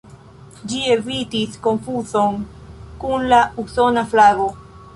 Ĝi evitis konfuzon kun la usona flago.